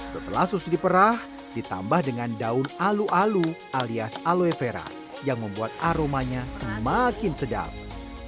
setelah susu diperah ditambah dengan daun alu alu alias aloe vera yang membuat aromanya semakin sedap